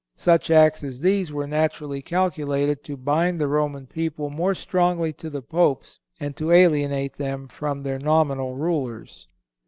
Such acts as these were naturally calculated to bind the Roman people more strongly to the Popes and to alienate them from their nominal rulers.